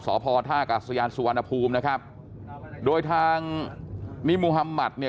สภธกาศยาสุวรรณภูมิโดยทางนิมมุฮัมมัติ